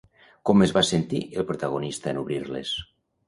Com es va sentir el protagonista en obrir-les?